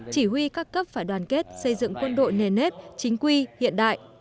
chỉ huy các cấp phải đoàn kết xây dựng quân đội nền nếp chính quy hiện đại